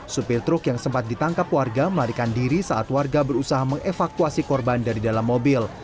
supir truk yang sempat ditangkap warga melarikan diri saat warga berusaha mengevakuasi korban dari dalam mobil